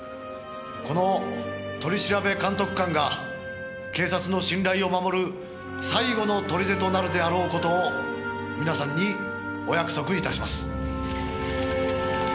「この取調監督官が警察の信頼を守る最後の砦となるであろう事を皆さんにお約束いたします」